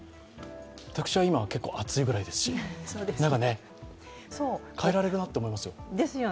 私は今、結構暑いぐらいですし、何か変えられるなと思いますよ。